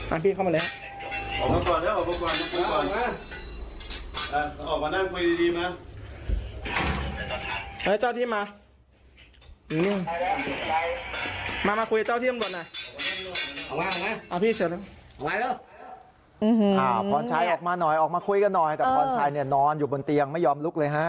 พรชัยออกมาหน่อยออกมาคุยกันหน่อยแต่พรชัยเนี่ยนอนอยู่บนเตียงไม่ยอมลุกเลยฮะ